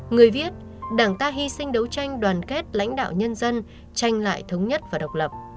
người viết đảng ta hy sinh đấu tranh đoàn kết lãnh đạo nhân dân tranh lại thống nhất và độc lập